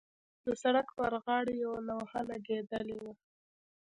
د سړک پر غاړې یوه لوحه لګېدلې وه.